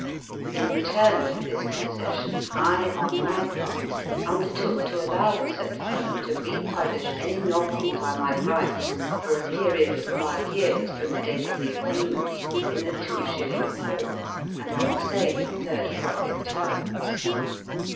In return for this concession, I on my part undertook to allow the said firm to republish any novel that I might write, for a period of five years from the date of the agreement, in a two shilling form, and on the same third profit terms.